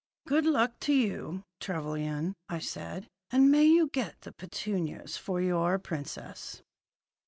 "Good luck to you, Trevelyan," I said. "And may you get the petunias for your princess!"